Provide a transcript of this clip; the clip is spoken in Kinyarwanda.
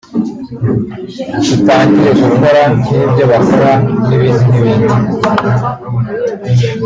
dutangire gukora nk'ibyo bakora n'ibindi n'ibindi